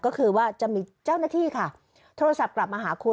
ก็คือว่าจะมีเจ้าหน้าที่ค่ะโทรศัพท์กลับมาหาคุณ